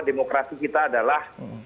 demokrasi kita adalah